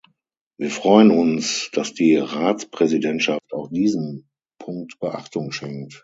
Wir freuen uns, dass die Ratspräsidentschaft auch diesem Punkt Beachtung schenkt.